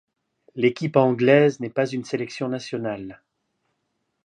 L'équipe anglaise n'est pas une sélection nationale.